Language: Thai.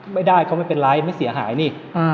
ไม่ได้เขาไม่เป็นไรไม่เสียหายนี่